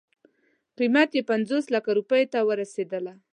قیمت یې پنځوس لکو روپیو ته رسېدله.